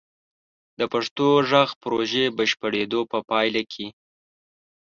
د پښتو غږ پروژې بشپړیدو په پایله کې: